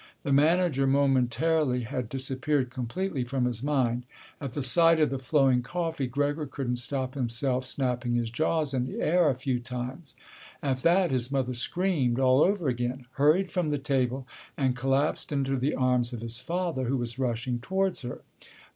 The manager momentarily had disappeared completely from his mind. At the sight of the flowing coffee Gregor couldn't stop himself snapping his jaws in the air a few times . At that his mother screamed all over again, hurried from the table, and collapsed into the arms of his father, who was rushing towards her.